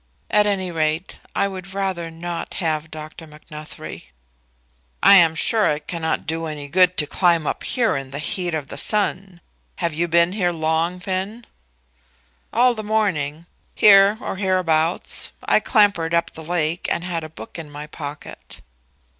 "At any rate, I would rather not have Dr. Macnuthrie." "I am sure it cannot do you any good to climb up here in the heat of the sun. Had you been here long, Finn?" "All the morning; here, or hereabouts. I clambered up from the lake and had a book in my pocket."